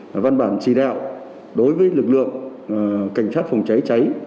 và văn bản chỉ đạo đối với lực lượng cảnh sát phòng cháy cháy